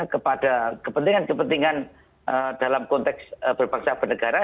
kepada kepentingan kepentingan dalam konteks berbangsa bangsa negara